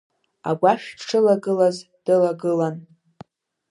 Агәашә дшылагылаз дылагылан.